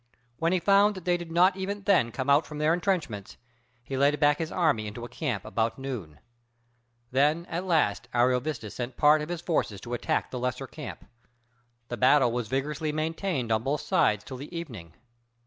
When he found that they did not even then come out from their intrenchments, he led back his army into camp about noon. Then at last Ariovistus sent part of his forces to attack the lesser camp. The battle was vigorously maintained on both sides till the evening.